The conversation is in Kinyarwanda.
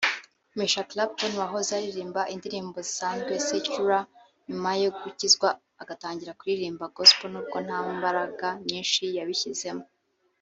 Mugisha Clapton wahoze aririmba indirimbo zisanzwe (Secular) nyuma yo gukizwa agatangira kuririmba Gospel nubwo nta mbaraga nyinshi yabishyizemo